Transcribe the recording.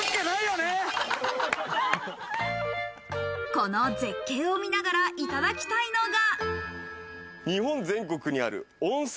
この絶景を見ながらいただきたいのが。